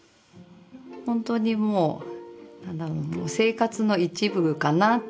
本当にもう生活の一部かなっていう。